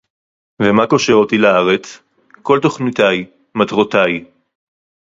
ומה קושר אותי לארץ? כל תכניותיי, מטרותיי